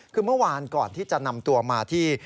คือเมื่อวานก่อนที่จะนำตัวมาที่